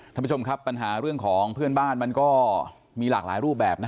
ท่านผู้ชมครับปัญหาเรื่องของเพื่อนบ้านมันก็มีหลากหลายรูปแบบนะ